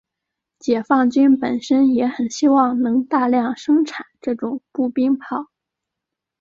解放军本身也很希望能大量生产这种步兵炮。